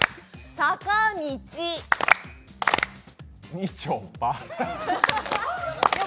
みちょぱ。よ